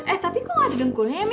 eh tapi kok gak ada dengkulnya ya mil